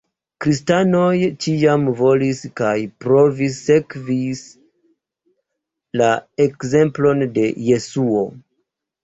Kristanoj ĉiam volis kaj provis sekvis la ekzemplon de Jesuo.